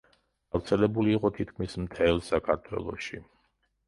გავრცელებული იყო თითქმის მთელ საქართველოში.